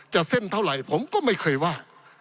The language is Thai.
เส้นเท่าไหร่ผมก็ไม่เคยว่า